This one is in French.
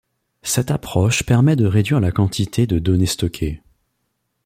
Cette approche permet de réduire la quantité de données stockée.